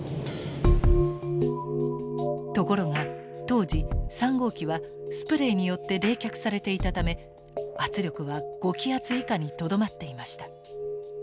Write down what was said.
ところが当時３号機はスプレイによって冷却されていたため圧力は５気圧以下にとどまっていました。